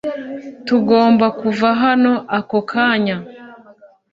tugomba kuva hano ako kanya